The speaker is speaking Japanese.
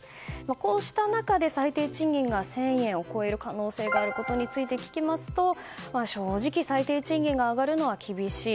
こうした中で、最低賃金が１０００円を超える可能性があることについて聞きますと正直、最低賃金が上がるのは厳しい。